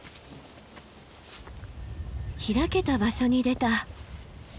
開けた場所に出た。